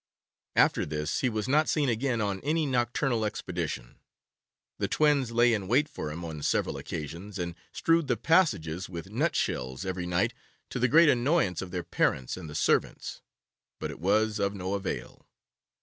After this he was not seen again on any nocturnal expedition. The twins lay in wait for him on several occasions, and strewed the passages with nutshells every night to the great annoyance of their parents and the servants, but it was of no avail.